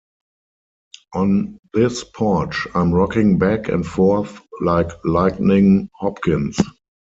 On this porch I'm rockin', back and forth like Lightnin' Hopkins.